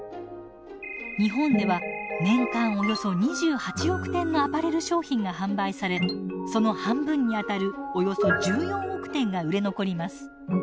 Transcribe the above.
日本では年間およそ２８億点のアパレル商品が販売されその半分にあたるおよそ１４億点が売れ残ります。